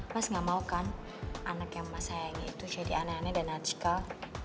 mas gak mau kan anak yang mas sayangi itu jadi aneh aneh dan nacikal